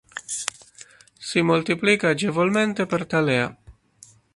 Si moltiplica agevolmente per talea.